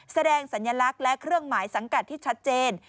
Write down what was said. แสดงสัญลักษณ์และเครื่องหมายสังกัดที่ชัดเจน